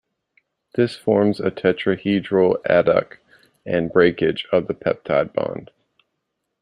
This forms a tetrahedral adduct and breakage of the peptide bond.